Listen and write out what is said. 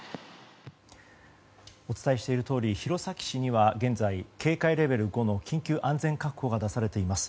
お伝えしているとおり弘前市には現在、警戒レベル５の緊急安全確保が出されています。